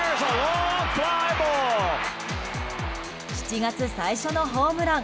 ７月最初のホームラン。